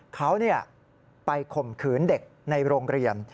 เขาไปข่มขืนเด็กในโรงเรียน